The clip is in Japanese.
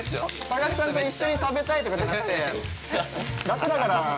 ◆高木さんと一緒に食べたいとかじゃなくて、楽だから。